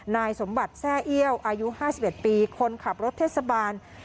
นายสมบัติแซ่เอี้ยวอายุ๕๑ปีคนขับรถเทศบาล